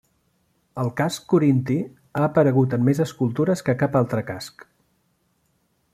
El casc corinti ha aparegut en més escultures que cap altre casc.